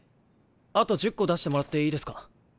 あと１０個出してもらっていいですか？